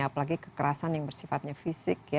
apalagi kekerasan yang bersifatnya fisik ya